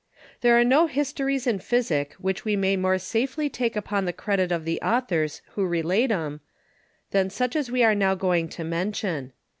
There are no Historys in Physick which we may more safely take upon the Credit of the Authors who relate 'em, than such as we are now going to mention.